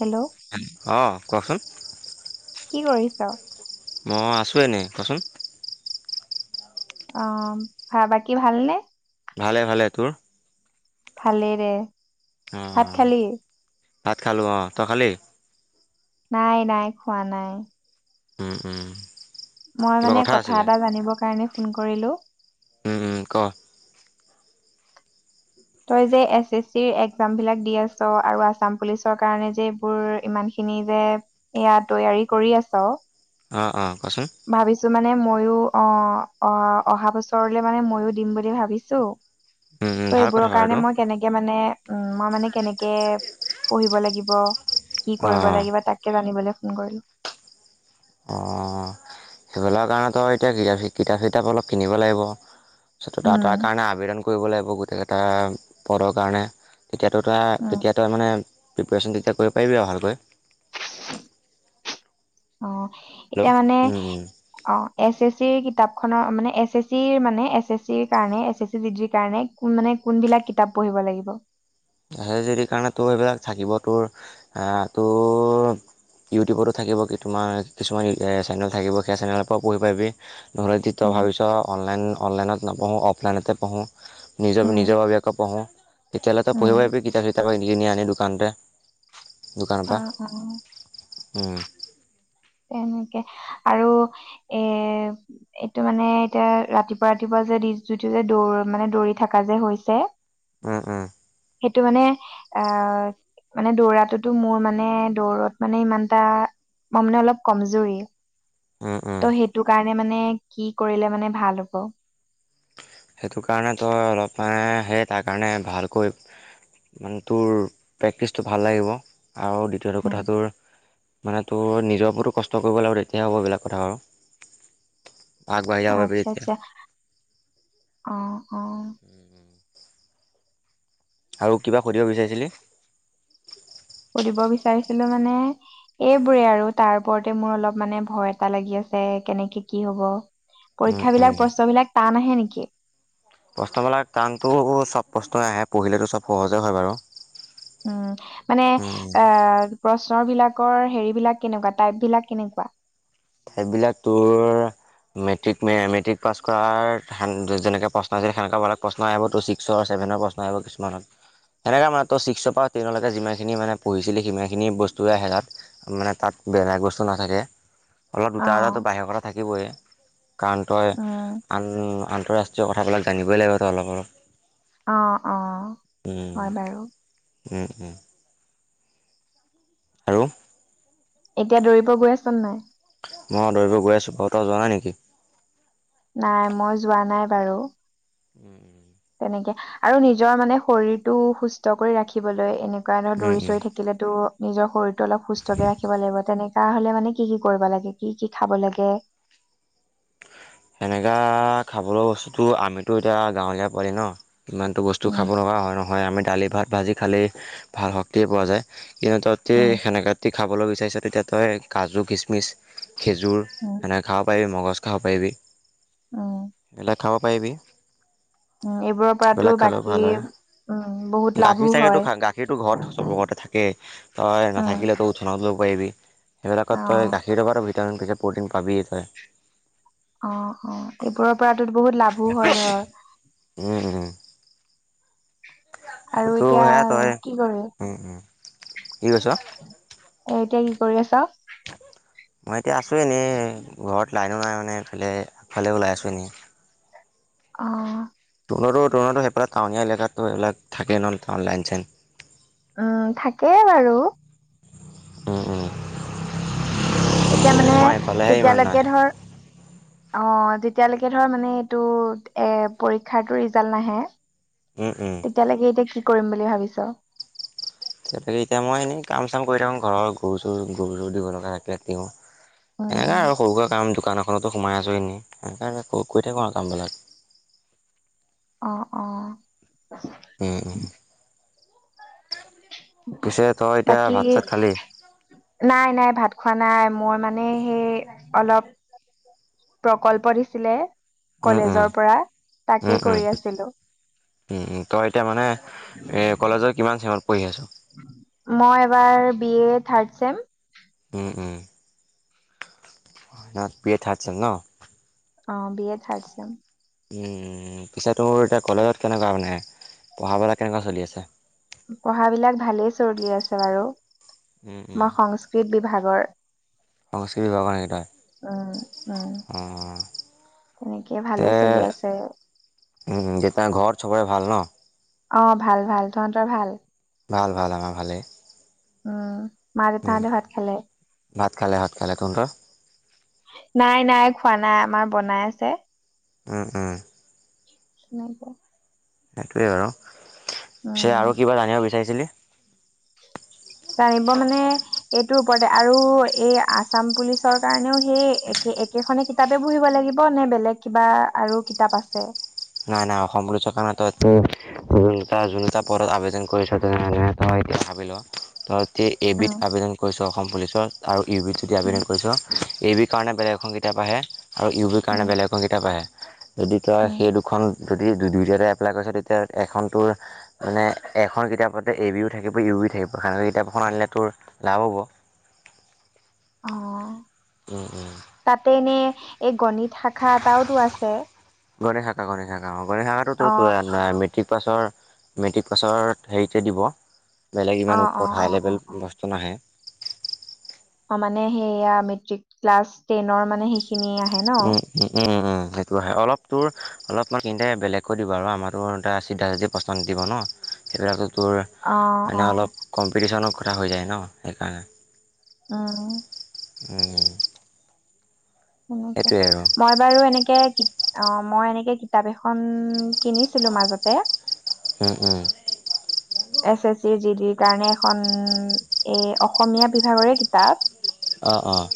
Hello অ'! কোৱাচোন? কি কৰিছ? মই আছো এনেই কচোন? অ'! বাকী ভালনে? ভালে, ভালে। তোৰ? ভালেদে। ভাত অঁ খালি? ভাত খালোঁ অ'! তই খালি? নাই, নাই, খোৱা নাই। উম! উম! মই কিবা মানে, কথা আছিলে এটা জানিবৰ কাৰণে, ফোন কৰিলোঁ। উম! উম! ক'? তই যে, এছ, এছ চিৰ একজাম বিলাক দি আছ আৰু আছাম পুলিচৰ কাৰণে যে এইবোৰ ইমান এইখিনি যে, এয়া তৈয়াৰী কৰি আছ? অ'! অ'! ভাবিছোঁ মানে, মই আয়ো অ', - অ', অহা বছৰলে মানে ময়ো দিম বুলি ভাবিছো। উম, উম, ত ' ভাল কথা এইবোৰৰ বাৰু কাৰণে এইটো মই কেনেকে মানে, উম! মই মানে, কেনেকে পঢ়িব লাগিব? কি কৰিব অঁ লাগিব তাকে জানিবলৈ ফোন কৰিলোঁ। অ' সেইবিলৰ কাৰণেতো এতিয়া কিতাপ কিতাপ চিতাপ অলপ কিনিব লাগিব। উম। [unintelligible] কাৰণে আবেদন কৰিব লাগিব, গোটেইকেইটা পদৰ কাৰণে। তেতিয়াতো তই উম তেতিয়া তই মানে প্ৰিপেৰেচন তেতিয়া কৰিব পাৰিবি আৰু ভালকৈ। অ'! এতিয়া হেল্ল' মানে, উম, উম। অ'! এছ এছ চিৰ কিতাপ খনৰ মানে, এছ এছ চিৰ মানে, এছ এছ চিৰ কাৰণে, এছ এছ চি ডিগ্ৰীৰ কাৰণে, মানে কোনবিলাক কিতাপ পঢ়িব লাগিব? সেই যদি কাৰণে তোৰ সেইবিলাক থাকিব তোৰ, তোৰ এ' তোৰ ইউটিউবতো থাকিব কিছুমান, কিছুমান চেনেল থাকিব, সেই চেনেলৰ পৰাও পঢ়ি পাৰিবি। [unintelligible] উম অনলাইন, অনলাইনত নপঢ়োঁ, অফলাইনতে পঢ়োঁ, নিজৰ, উম নিজৰ ববিয়াকে পঢ়োঁ। তেতিয়াহ'লে ত' পঢ়ি উম আহিবি [unintelligible] দোকানৰ অ পৰা। অ উম! তেনেকে আৰু এ' এইটো মানে, এতিয়া ৰাতিপুৱা, ৰাতিপুৱা [unintelligible] যিটো যে দৌৰ মানে, দৌৰি থকা যে হৈছে। উম! উম! সেইটো মানে, অ'! মানে, দৌৰাটোতো মোৰ মানে, দৌৰত মানে ইমানটা, মই মানে অলপ কমজুৰি। উম উম ত' সেইটো কাৰণে মানে, কি কৰিলে মানে ভাল হ'ব? সেইটো কাৰণে, তই অলপ সেই তাৰ কাৰণে ভালকৈ মানে তোৰ, প্ৰেক্টিচটো ভাল লাগিব আৰু দ্বিতীয়টো উম কথা তোৰ মানে, তোৰ নিজৰ ওপৰতো কষ্ট কৰিব লাগিব। তেতিয়া হ'ব এইবিলাক কথা বাৰু। আগবাঢ়ি যাব পাৰবি আচ্ছা এতিয়া। আচ্ছা অ'! অ'! আৰু কিবা সুধিব বিচাৰিছিলি? সুধিব বিচাৰিছিলোঁ মানে, এইবোৰে আৰু তাৰ ওপৰতে মোৰ অলপ মানে ভয় এটা লাগি আছ আছে। কেনেকে কি হ'ব! উম পৰীক্ষা উম বিলাক প্ৰশ্ন বিলাক টান আহে নেকি? প্ৰশ্নবিলাক টানটো চব প্ৰশ্নই আহে, পঢ়িলেতো চব সহজে হয় বাৰু। উম'! মানে, উম, আঁ প্ৰশ্ন বিলাকৰ হেৰি বিলাক কেনেকুৱা টাইপ বিলাক কেনেকুৱা? সেইবিলাক তোৰ মেট্ৰিক মে মেট্ৰিক পাছ কৰাৰ যে যেনেকে প্ৰশ্ন আহিছে, সেনেকা মানত প্ৰশ্ন আহিবতো। ছিক্সৰ, ছেভেন বিভিন্ন প্ৰশ্ন আহিব কিছুমানত সেনেকে মানে তই চ ছিক্সৰ পৰা টেনলৈকে যিমানখিনি মানে পঢ়িছিলি সিমানখিনি বস্তুৱে আহে তাত মানে তাত বেয়া বস্তু নাথাকে। অলপ অ দুটা এজাতো বাহিৰৰ কথা থাকিবই কাৰণ তই আন উম আন- আন্তঃৰাষ্ট্ৰীয় কথাবিলাক জানিবই লাগিব তই অলপ - অলপ অ অ উম, হয় বাৰু- উম উম আৰু এতিয়া দৌৰিব গৈ আছ নাই। মই দৌৰিব গৈ আছোঁ বাৰু তই যোৱা নাই নেকি? নাই মই যোৱা নাই বাৰু। উম- উম তেনেকে আৰু নিজৰ মানে শৰীৰটো সুস্থ কৰি ৰাখিবলৈ এনে- সেইকাৰণেও উম দৌৰি- উম চৌৰি থাকিলেতো নিজৰ শৰীৰতটো অলপ সুস্থকে ৰাখিব লাগিব তেনেকে ত হলে মানে কি কি কৰিব লাগে কি কি খাব লাগে। সেনেকা খাবলৈ বস্তুটো আমিতো এতিয়া গাঁৱলীয়া পোৱালি ন ইমানতো বস্তু উম খাব নাপা অহ, নহয় আমি দালি ভাত ভাজি খালেই ভাল শক্তিয়ে পোৱা যায়। দিন ততে উম সেনেকা দি খাবলৈ বিচাৰিছা তেতিয়া তই কাজু - কিচমিচ খেজুৰ উম সেনেকৈ খাব পাৰিবি, মগজ খাব পাৰিবি। উম বেলেগ খাব পাৰিবি। উম এইবোৰৰ পৰাতো সেইবিলাক খালেও বাকী ভাল হয় উম বহুত লাভো গাখীৰ হয় চাগেতো গাখীৰটো ঘৰত চবৰ ঘৰতে থাকেই তই উম নাথাকিলেতো উঠনত ল'ব পাৰিবি। অ সেইবিলাকত তই গাখীৰ খাব ভিটামিন পেকেট প্ৰ'টিন পাবিয়েই তই। অহ - অহ এইবোৰৰ পৰাটো বহুত লাভ উম উম আৰু সেইটোতো এতিয়া সেয়া তই কি কৰবি? উম উম কি কৈছ? এ'এতিয়া কি কৰি আছা? মই এতিয়া আছোঁ এনেই ঘৰত লাইনো নাই মানে এইফালে আগফালে ওলাই আছোঁ এনেই। অ ৰুণৰতো তণৰতো সেইফালে টাউনীয়া এলেকাতো সেইবিলাক থাকেই নহ' টান লাইন চাইন- উম থাকেই বাৰু উম- উম উম, এতিয়া মানে আমাৰ এইফালেহে ইমান নাই তেতিয়ালৈকে ধৰ অহ যেতিয়ালৈকে ধৰ মানে এইটো এ পৰীক্ষাৰটো ৰিজাল্ট নাহে উম উম তেতিয়ালৈকে এতিয়া কি কৰিম বুলি ভাবিছ? তক এতিয়া মই এনেই কাম চাম কৰি থাকো ঘৰৰ গৰু চৰু গৰু চৰু দিব লগা থাকিলে দিও সেনেকা আৰু সৰুকা কাম দোকান এখনতো সোমাই আছোঁ এনেই সেনেকৈ কৰি থাকোঁ আৰু কামবিলাক আহ অ উম উম পিছে তই এতিয়া বাকী ভাত চাত খালি নাই- নাই ভাত খোৱা নাই মই মানে সেই অলপ প্ৰকল্প দিছিলে, উম উম কলেজৰ পৰা উম তাকে উম কৰি আছিলোঁ। উম তই এতিয়া মানে কলেজৰ কিমান চেমত পঢ়ি আছ? Sem um, um, B A third sem ন অ B A third sem um, পিছে তোৰ এতিয়া কলেজত কেনেকুৱা মানে পঢ়াবেলা কেনেকুৱা চলি আছে? পঢ়া বিলাক ভালেই চৰ্লি আছে বাৰু উম, মই সংস্কৃত বিভাগ [unintelligible] সংস্কৃতি বিভাগৰ নেকি উম তই? তেনেকে অহ। হে ভালেই চলি আছে দেতা ঘৰত চবৰে ভাল ন অ ভাল ভাল তহঁতৰ ভাল? ভাল ভাল আমাৰ ভালে। উম মা দেউতাহাঁতে ভাত খালে? [unintelligible] তহঁতৰ নাই নাই খোৱা নাই আমাৰ বনাই আছে। উম উম নাই পোৱা। সেইটোৱে বাৰু পিছে আৰু কিবা জানিব বিচাৰিছিলি উম জানিব মানে এইটোৰ ওপৰতে আৰু এই আসাম পুলিচৰ কাৰণেও সেই একে। একেখনে কিতাপে পহিব লাগিব নে বেলেগ কিবা আৰু কিতাপ আছে। নাই নাই অসম পুলিচ কাৰনে তোৰ যোনটা পত আবেদন কৰিছ তে এতিয়া ভাবিলো ত তে এবিধ উম, আবেদন কৰিছ অসম পুলিচত আৰু ইউবিধ যদি উম, আবেদন কৰিছ এবিধ কাৰণে বেলেগ এখন কিতাপ আহে আৰু ইউ বিৰ উম, কাৰণে বেলেগ এখন কিতাপ আহে। যদি তাৰ উম, সেইটো যদি দুয়োটাতে এপ্লাই কৰিছ তেতিয়া এখন তোৰে মানে এখন কিতাপতে এ বি ইউ থাকিব ইওৰি থাকিব কাৰাল [unintelligible] কিতাপখন আনিলে তোৰ লাভ হ'ব। অহ, উম উম তাতে এনে এই গণিত শাখা এটাওতো আছে। [unintelligible] মেট্ৰিক অ', পাছৰ- মেট্ৰিক পাছৰ হেৰিতে দিব বেলেগ ইমান অ', অ', ওপৰত হাই অ', অ', লেভেল বস্তু নাহে। অহ, মানে সেইয়া মেট্ৰিক ক্লাছ টেনৰ মানে সেইখিনি আহে ন',। উম উম উম উম, সেইটো আহে অলপ তোৰ অলপ মই কিন্তে বেলেগকৈ দিব আৰু আমাৰতো এটা চিধা চিধি প্ৰশ্ন নিদিব ন '। সেইবিলাক তোৰ অ', মানে অ', অলপ কম্পিটিশনৰ কথা হৈ যায় ন'সেইকাৰণে। আ', উম তেনেকে সেইটোৱে আৰু মই বাৰু এনেকে অ' মই এনেকে কিতাপ এখন কিনিছিলো মাজতে উম -উম এছ এছ চিৰ জি ডিৰ কাৰণে এখন এই অসমীয়া বিভাগৰে কিতাপ অ', - অ',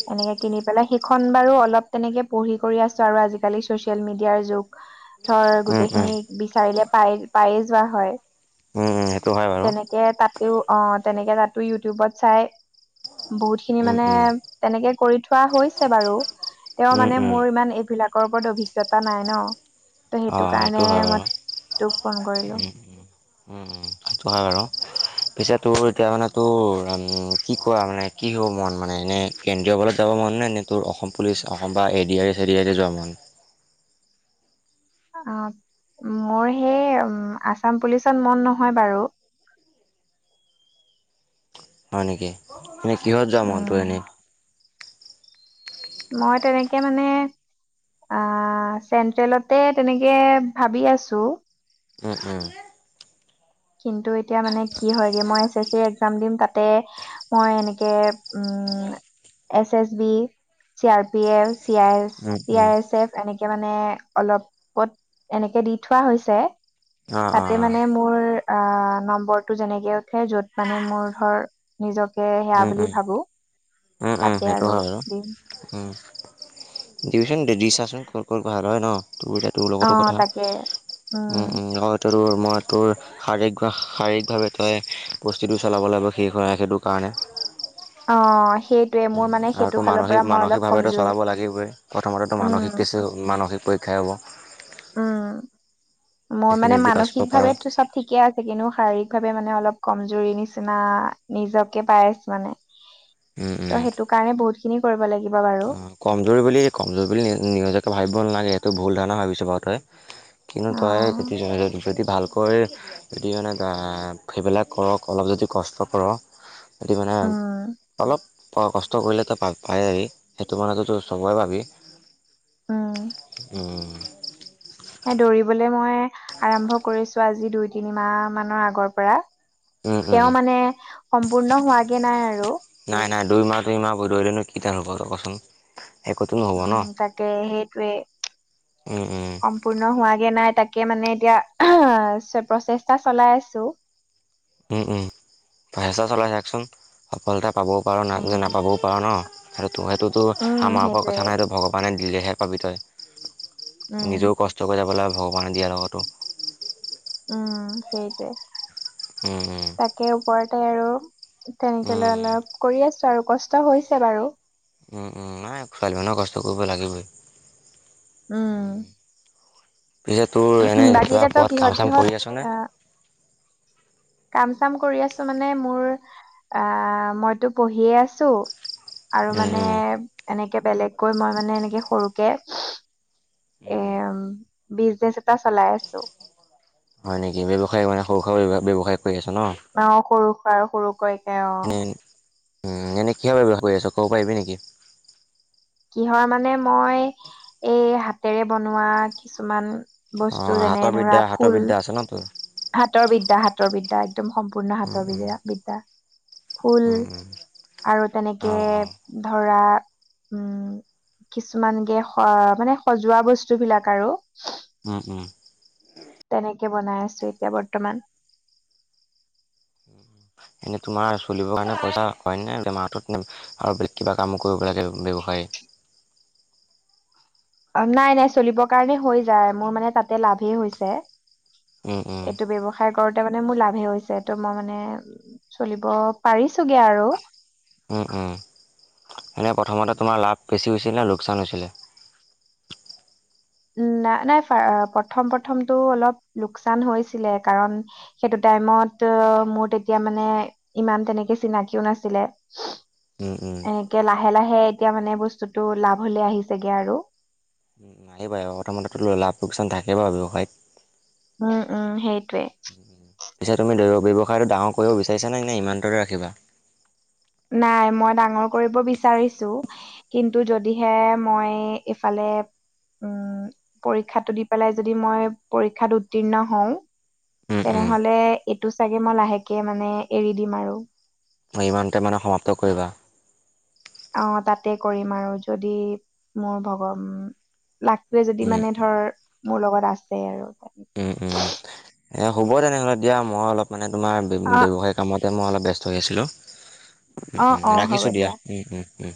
সিখন বাৰু অলপ তেনেকে পঢ়ি কৰি আছো আৰু আজিকালি চচিয়েল মিডিয়াৰ যুগ হয়, উম উম গোটেইখিনিক বিচাৰিলে পাই পায়ে যোৱা হয়। উম উম সেইটো হয় বাৰু তেনেকে তাতো অ' তেনেকে তাতো ইউটিউবত চাই বহুত খিনি উম মানে উম তেনেকে কৰি থোৱা হৈছে বাৰু তেওঁ উম মানে উম মোৰ ইমান এইবিলাক [unintelligible] ওপৰত অভিজ্ঞতা নাই ন' ত' সেইটো অঁ কাৰণে হয় বাৰু মই তোক ফোন কৰিলো। উম উম উম হয় বাৰু। পিছে তোৰ এতিয়া মানে তোৰ উম কি কোৱা মানে কি হব মন মানে এনে কেন্দ্ৰীয় বলে যাব মন নে এনে তোৰ অসম পুলিচ অসম বা এ ডি আৰ ই - চে এ ডি আৰ ই যোৱা মন? অ' মোৰ সেই আছাম পুলিচত মন নহয় বাৰু। [inaudible] হয় নেকি, এনে কিহত যোৱা মন উম, তোৰ এনে? মই তেনেকে মানে আহ, চেন্ট্ৰেলতে তেনেকে ভাবি আছো। উম -উম। কিন্তু এতিয়া মানে কি হয়গে মই এ চে চ চি একজাম দিম তাতে মই এনেকে উম [inaudible] S S B, C R P F, C উম চি উম আই এছ এফ এনেকে মানে মানে অলপত এনেকে দি থোৱা হৈছে অ অ তাতে মানে মোৰ আহ, নম্বৰটো যেনেকে উঠে য'ত মানে মোৰ ধৰ নিজক জকে সেয়া উম বুলি উম ভাবো উম- উম তাতে সেইটো আৰু হয় বাৰু দিম উম। দিবিচোন দি চাচোন ক' ত -ক'ত ভাল হয় ন‌‌? তোৰ এতিয়া তোৰ অ লগতো কথা তাকে উম - উম আৰু তোৰ মই তোৰ শাৰীৰিক বা শাৰীৰিকভাৱে তই বস্তুটো চলাবলৈ শেষ হয় ৰা সেইটো কাৰণে অ সেইটোৱে উম, মোৰ মানে আৰু সেইটো তো ফালৰ পৰা মানসিক মই অলপ মানসিকভাবেটো কমজুৰি চলাব লাগিবই প্ৰথমেতো মানসিক উম টেষ্ট হব মানসিক পৰীক্ষা হ'ব উম, মোৰ সেইখিনি মানে যদি পাছ কৰিব পাৰ মানসিকভাবে চব ঠিকে আছে কিন্তু শাৰীৰিক ভাৱে মানে অলপ কমজৰি নিচিনা নিজকে পাই আছো মানে। ত' সেইটো কাৰণে বহুত খিনি কৰিব লাগে। অহ, কমজুৰি বুলি কমজুৰি বুলি নিজকে ভাবিব নালাগে। তই ভুল ধাৰণা ভাবিছ বাৰু তই কিন্তু অ তই যদি ভালকৈ যদি মানে সেইবিলাক কৰক অলপ যদি কষ্ট কৰ [unintelligible] মানে উম অলপ তই কষ্ট কৰিলে তই পা- পায়ে যাবি। সেইটো মানেততো চবৰে পাবি উম দৌৰিবলৈ মই আৰম্ভ কৰিছো আজি দুই- তিনি মাহ মানৰ আগৰ পৰা। উম উম তেওঁ মানে সম্পূৰ্ণ হোৱাগে নাই আৰু। নাই নাই দুই মাহ -তিনিমাহ বধলেনো কি দাল হ'ব আৰু কচোন? একোতো নহ'ব ন উম, তাকে সেইটোৱে উম উম সম্পূৰ্ণ হোৱাগে নাই তাকে তাকে মানে এতিয়া প্ৰচেষ্টা চলাই আছো। উম -উম ফাইছা চলাই থাকচোন সফলতা পাবও পাৰোঁ না উম নাপাবও পাৰোঁ ন'সেইটোতো- সেইটোতো উম আমাৰ ওপৰত সেইটোৱে কথা নহই এইটো ভগৱানে দিলে সেয়া পাবি তই উম নিজেও কষ্ট কৰি যাব লাগে ভগৱানে দিয়াৰ লগতো। উম সেইটোৱে, উম তাকে ওপৰতে আৰু। তেনেকে লৈ উম অলপ কৰি আছো আৰু কষ্ট হৈছে বাৰু। উম -উম নাই ছোৱালী মানুহ কষ্ট কৰিব লাগিবই। উম পিছে তোৰ এনে বাকী কিবা এতিয়া তই ক'ৰবাত কাম কিহত চাম -কিহত কৰি আছনে আহ কাম- চাম কৰি আছো মানে মোৰ আহ মইতো পঢ়িয়ে আছো। আৰু মানে উম এনেকে বেলেগকৈ মই মানে এনেকে সৰুকে উম এম, বিজনেচ এটা চলাই আছো। হয় নেকি, ব্যৱসায় মানে সৰু- সুৰা ব্যৱসায়। কৰি আছ ন অহ, সৰু- সুৰা আৰু সৰুকৈকে অ',। এনে উম, এনেই কিহৰ ব্যৱহাৰ কৰি আছ কব পাৰিবি নেকি? কিহৰ মানে মই, এই হাতেৰে বনোৱা কিছুমান বস্তু অঁ যেনে হাতৰ বিদ্যা ধৰা হাতৰ ফুল বিদ্যা আছে ন তোৰ হাতৰ বিদ্যা- হাতৰ বিদ্যা একদম সম্পূৰ্ণ হাতৰ বি -বিদ্যা। ফুল আৰু তেনেকে অঁ অঁ ধৰা উম, কিছুমান গে অহ মানে সজোৱা বস্তু বিলাক আৰু। উম উম। তেনেকে বনাই আছে এতিয়া বৰ্তমান। এনেই তোমাৰ চলিবৰ কাৰণে পইচা হয় নে তোমাৰ হাতত আৰু বেলেগ কিবা কামো কৰিব লাগে ব্যৱসায়ী। [unintelligible] নাই নাই চলিবৰ কাৰণে হৈ যায় মোৰ মানে তাতে লাভেই হৈছে। উম উম এইটো ব্যৱসায় কৰোঁতে মানে মোৰ লাভে হৈছে ত' মই মানে উ চলিব পাৰিছোগে আৰু। উম উম, এনেই প্ৰথমতে তোমাৰ লাভ বেছি হৈছিল নে লোকচান হৈছিলে? [unintelligible] উম, নাই নাই প্ৰথম প্ৰথমটো অলপ লোকচান হৈছিলে কাৰণ সেইটোতে টাইমত মোৰ তেতিয়া মানে ইমান তেনেকে চিনাকিও নাছিলে উম উম এনেকে লাহে লাহে এতিয়া মানে বস্তুটো লাভ লে আহিছেগে আৰু। নাহিবই, প্ৰথমতে তোৰ লাভ লোকচান থাকে বাৰু উম উম সেইটোৱে ব্যৱসায়ত। পিছে তুমি দ ব্যৱসায়টো ডাঙৰ কৰিব বিচাৰিছা নে নাই ইমানটোতে ৰাখিবা। নাই মই ডাঙৰ কৰিব বিচাৰিছো, কিন্তু যদিহে মই এফালে উম পৰীক্ষাটো দি পেলাই যদি মই পৰীক্ষাত উত্তীৰ্ণ হওঁ। উম উম তেনেহলে এইটো চাগে মই লাহেকে মানে এৰি দিম আৰু। মই ইমানতে মানে সমাপ্ত কৰিবা আহ তাতে কৰিম আৰু যদি মোৰ ভগ লাকটোৱে যদি উম মানে ধৰ, মোৰ লগত আছে আৰু। উম উম, এ হ'ব তেনেহলে দিয়া মই অলপ মানে তোমাৰ অ ব্যৱসায় কামতে মই অলপ ব্যস্ত হৈ আছিলোঁ অ অ হ'ব ৰাখিছোঁ দিয়া। উম